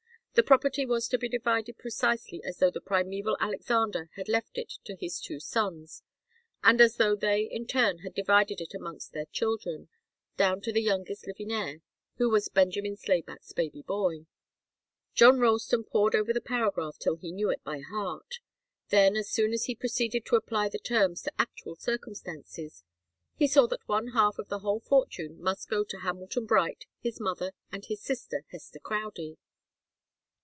The property was to be divided precisely as though the primeval Alexander had left it to his two sons, and as though they, in turn, had divided it amongst their children, down to the youngest living heir, who was Benjamin Slayback's baby boy. John Ralston pored over the paragraph till he knew it by heart. Then, as soon as he proceeded to apply the terms to actual circumstances, he saw that one half of the whole fortune must go to Hamilton Bright, his mother, and his sister, Hester Crowdie.